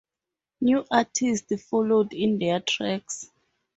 New artists followed in their tracks.